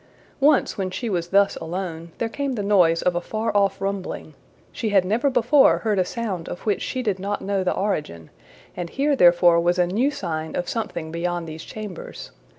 Once, when she was thus alone, there came the noise of a far off rumbling: she had never before heard a sound of which she did not know the origin, and here therefore was a new sign of something beyond these chambers.